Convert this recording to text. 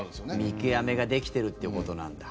見極めができてるってことなんだ。